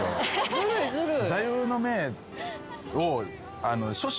ずるいずるい。